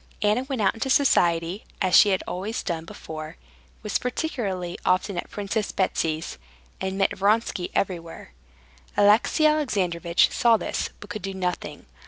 Anna went out into society, as she had always done, was particularly often at Princess Betsy's, and met Vronsky everywhere. Alexey Alexandrovitch saw this, but could do nothing.